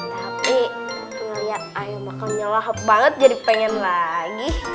tapi ngeliat ayah makan nyelahap banget jadi pengen lagi